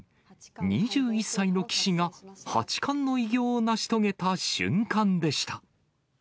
２１歳の棋士が八冠の偉業を成し遂げた瞬間でした。